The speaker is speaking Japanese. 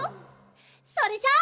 それじゃあ。